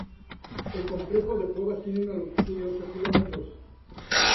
El complejo de cuevas tiene una longitud de ocho kilómetros.